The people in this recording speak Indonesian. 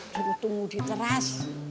jangan tunggu diteras